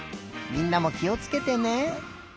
みんなもきをつけてね。